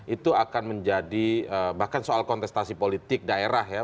itu akan menjadi bahkan soal kontestasi politik daerah ya